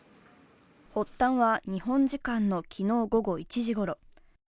発端は日本時間の昨日午後１時ごろ。